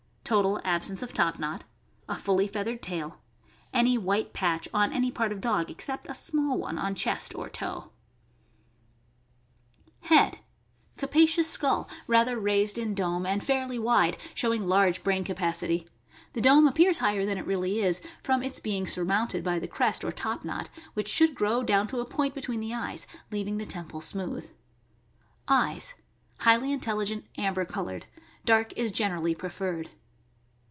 Total absence of top knot. A fully feathered tail. Any white patch on any part of dog, except a small one on chest or toe. 298 TJJE AMEEICAN BOOK OF THE DOG. Head. — Capacious skull, rather raised in dome, and fairly wide, showing large brain capacity. The dome ap pears higher than it really is, from its being surmounted by the crest or top knot, which should grow down to a point between the eyes, leaving the temple smooth. Eyes. — Highly intelligent, amber colored. Dark is gen erally preferred.